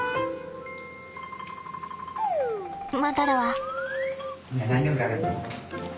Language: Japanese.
まただわ。